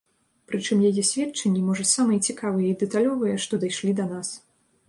Прычым яе сведчанні, можа, самыя цікавыя і дэталёвыя, што дайшлі да нас.